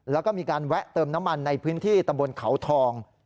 แล้วก็มีการแวะเติมน้ำมันในพื้นที่ตำบลเขาทอง